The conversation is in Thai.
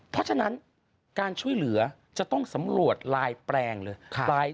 เพราะฉะนั้นการช่วยเหลือจะต้องสำรวจลายแปลงเลย